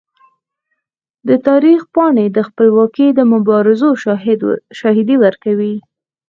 د تاریخ پاڼې د خپلواکۍ د مبارزو شاهدي ورکوي.